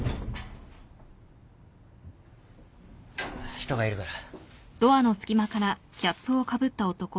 人がいるから。